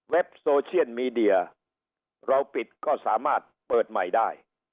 โซเชียลมีเดียเราปิดก็สามารถเปิดใหม่ได้